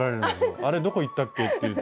「あれどこいったっけ？」って言うと。